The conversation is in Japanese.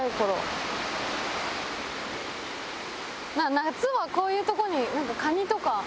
夏はこういうとこになんかカニとか。